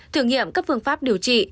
thử nghiệm các phương pháp điều trị